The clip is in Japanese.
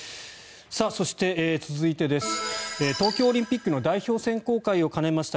そして、続いて東京オリンピックの代表選考会を兼ねました